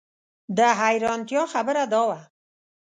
د حیرانتیا خبره دا وه.